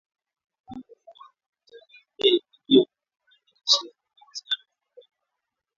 upungufu wa vitamini A iliyo kwenye viazi lishe ikikosekana kwa mtoto hudumaa